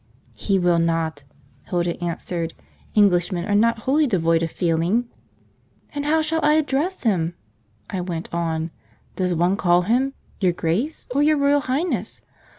"He will not," Hilda answered. "Englishmen are not wholly devoid of feeling!" "And how shall I address him?" I went on. "Does one call him 'your Grace,' or 'your Royal Highness'?